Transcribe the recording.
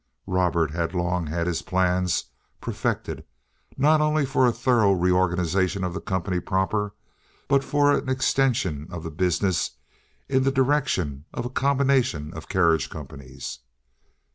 Robert had long had his plans perfected, not only for a thorough reorganization of the company proper, but for an extension of the business in the direction of a combination of carriage companies.